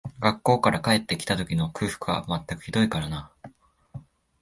学校から帰って来た時の空腹は全くひどいからな